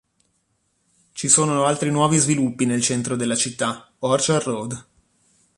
Ci sono altri nuovi sviluppi nel centro della città, Orchard Road.